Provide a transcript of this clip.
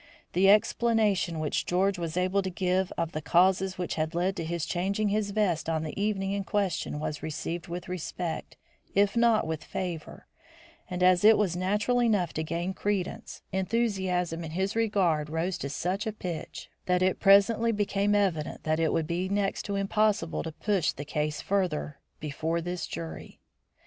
The explanation which George was able to give of the causes which had led to his changing his vest on the evening in question were received with respect, if not with favour, and as it was natural enough to gain credence, enthusiasm in his regard rose to such a pitch that it presently became evident that it would be next to impossible to push the case farther before this jury.